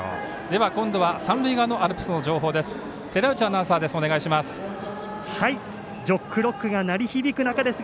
では、今度は三塁側のアルプスの情報です。